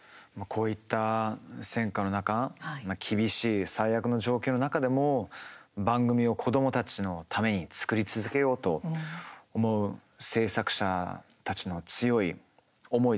こういった戦火の中厳しい最悪の状況の中でも番組を子どもたちのために作り続けようと思う制作者たちの強い思いですよね。